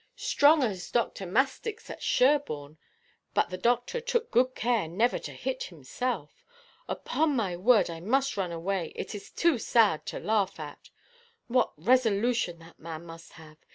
Strong as Dr. Mastix at Sherborne; but the doctor took good care never to hit himself. Upon my word, I must run away. It is too sad to laugh at. What resolution that man must have!